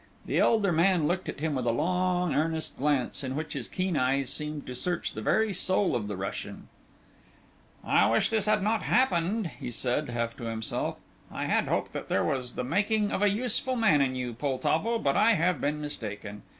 The elder man looked at him with a long, earnest glance in which his keen eyes seemed to search the very soul of the Russian. "I wish this had not happened," he said, half to himself. "I had hoped that there was the making of a useful man in you, Poltavo, but I have been mistaken.